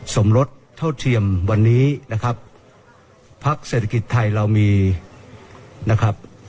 สมรสเท่าเทียมวันนี้นะครับพักเศรษฐกิจไทยเรามีนะครับ